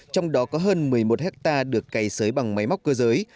trong đó có hơn một mươi một hectare được cày sới bằng máy móc cơ giới